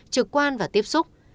trực quan và tiếp xúc